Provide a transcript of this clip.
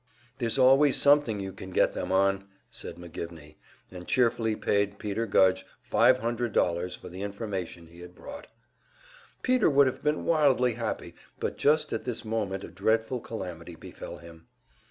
"There's always something you can get them on!" said McGivney, and cheerfully paid Peter Gudge five hundred dollars for the information he had brought. Peter would have been wildly happy, but just at this moment a dreadful calamity befell him.